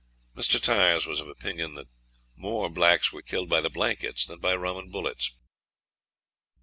Mr. Tyers was of opinion that more blacks were killed by the blankets than by rum and bullets.